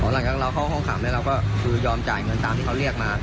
หลังจากเราเข้าห้องขังแล้วเรายอมจ่ายเงินตามที่เค้าเรียกมา๒ลื่อนละ